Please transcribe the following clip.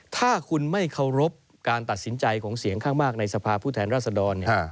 ถ้าคุณไม่เคารพการตัดสินใจของเสียงข้างมากในสภาพผู้แทนรัศดร